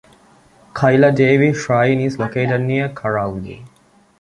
Kaila Devi Shrine is located near Karauli.